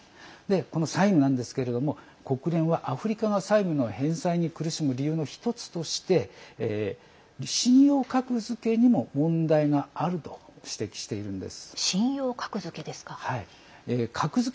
この債務ですが国連はアフリカが債務の返済に苦しむ理由の１つとして信用格付けにも問題があると指摘しているんです。